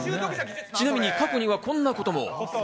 ちなみに過去にはこんなことも。